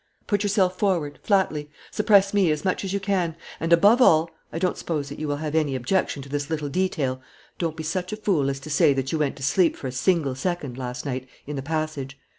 "Put yourself forward, flatly; suppress me as much as you can; and, above all I don't suppose that you will have any objection to this little detail don't be such a fool as to say that you went to sleep for a single second, last night, in the passage.